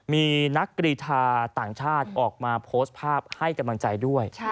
มีนักกรีธาต่างชาติออกมาโพสต์ภาพให้กำลังใจด้วย